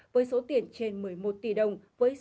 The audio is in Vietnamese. với số tiền trên một mươi một tỷ đồng